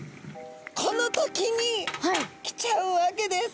この時に来ちゃうわけです。